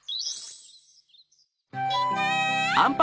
みんな！